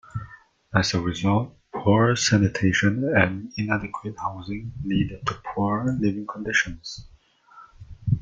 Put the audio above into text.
As a result, poor sanitation and inadequate housing lead to poor living conditions.